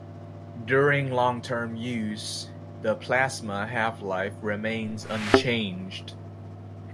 During long-term use, the plasma half-life remains unchanged.